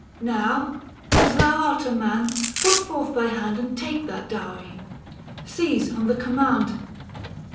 Now, as thou art a man, put forth thy hand And take that dowry — seize on the command.